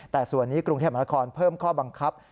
แต่ส่วนนี้กรุงเทพมหานครเพิ่มข้อบังคับ